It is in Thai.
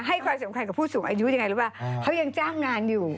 ความสำคัญกับผู้สูงอายุยังไงรู้ป่ะเขายังจ้างงานอยู่